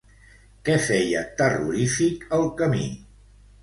Què feia terrorífic el camí?